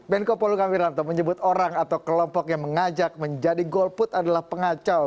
menko polukam wiranto menyebut orang atau kelompok yang mengajak menjadi golput adalah pengacau